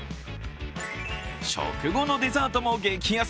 食後のデザートも激安。